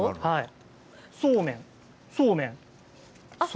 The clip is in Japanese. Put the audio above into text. そうめん、そうめん。